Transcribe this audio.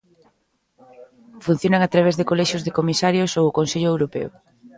Funcionan a través de colexios de comisarios ou o Consello Europeo.